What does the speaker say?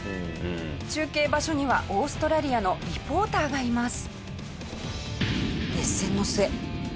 中継場所にはオーストラリアのリポーターがいます。